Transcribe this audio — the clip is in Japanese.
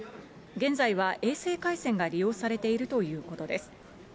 現在は衛星回線が利用されているということです。